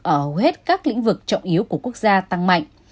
ở hầu hết các lĩnh vực trọng yếu của quốc gia tăng mạnh